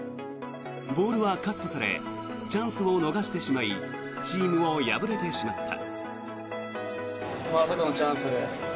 ボールはカットされチャンスを逃してしまいチームも敗れてしまった。